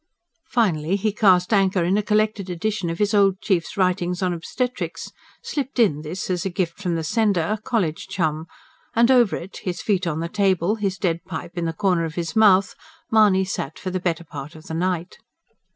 Finally he cast anchor in a collected edition of his old chief's writings on obstetrics slipped in, this, as a gift from the sender, a college chum and over it, his feet on the table, his dead pipe in the corner of his mouth, Mahony sat for the better part of the night.